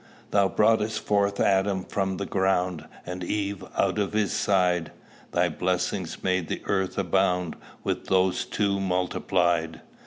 Thou brought'st forth Adam from the ground, And Eve out of his side: Thy blessing made the earth abound With these two multiplied.